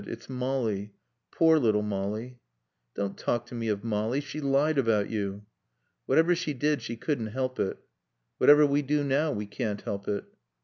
"It's Molly. Poor little Molly." "Don't talk to me of Molly. She lied about you." "Whatever she did she couldn't help it." "Whatever we do now we can't help it."